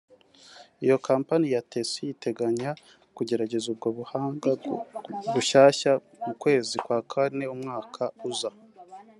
Iyo kompanyi ya Taisei itegekanya kugerageza ubwo buhanga bushyashya mu kwezi kwa kane umwaka uza